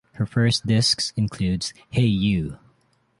The first disc includes Hey You!!!